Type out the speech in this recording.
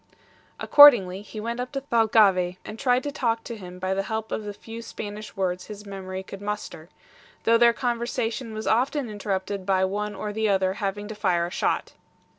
Accordingly, he went up to Thalcave, and tried to talk to him by the help of the few Spanish words his memory could muster, though their conversation was often interrupted by one or the other having to fire a shot.